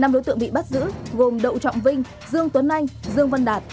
năm đối tượng bị bắt giữ gồm đậu trọng vinh dương tuấn anh dương văn đạt